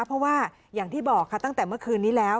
เพราะว่าอย่างที่บอกค่ะตั้งแต่เมื่อคืนนี้แล้ว